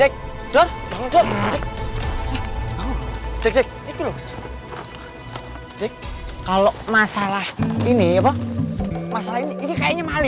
kalau masalah ini masalah ini kayaknya mali